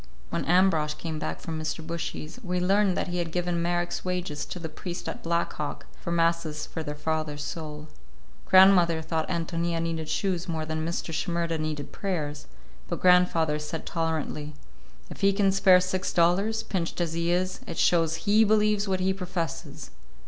When Ambrosch came back from Mr. Bushy's, we learned that he had given Marek's wages to the priest at Black Hawk, for masses for their father's soul. Grandmother thought Ántonia needed shoes more than Mr. Shimerda needed prayers, but grandfather said tolerantly, "If he can spare six dollars, pinched as he is, it shows he believes what he professes."